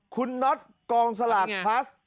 คุณน็อตกองสลากพลัส